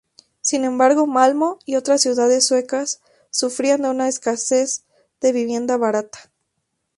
Sin embargo Malmö y otras ciudades suecas sufrían una gran escasez de vivienda barata.